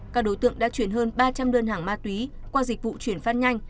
các đối tượng đã chuyển hơn ba trăm linh đơn hàng ma túy qua dịch vụ chuyển phát nhanh